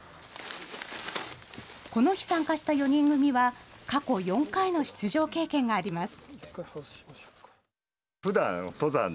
この日、参加した４人組は過去４回の出場経験があります。